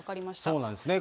そうなんですね。